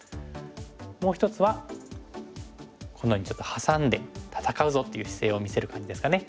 もう１つはこのようにちょっとハサんで戦うぞっていう姿勢を見せる感じですかね。